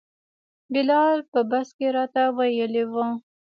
بلال په بس کې راته ویلي وو.